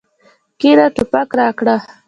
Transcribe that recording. کېنه ټوپک راکړه.